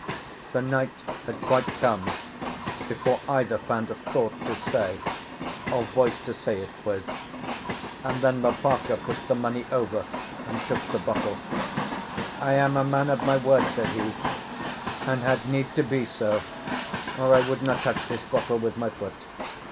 The night had quite come, before either found a thought to say or voice to say it with; and then Lopaka pushed the money over and took the bottle. "I am a man of my word," said he, "and had need to be so, or I would not touch this bottle with my foot.